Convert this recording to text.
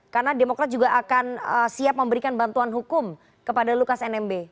karena demokrat juga akan siap memberikan bantuan hukum kepada lukas nmb